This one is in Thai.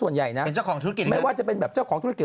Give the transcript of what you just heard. ส่วนใหญ่นะเป็นเจ้าของธุรกิจไม่ว่าจะเป็นแบบเจ้าของธุรกิจ